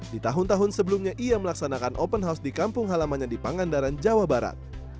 di tahun tahun sebelumnya ia melaksanakan open house di kampung halamannya di pangandaran jawa barat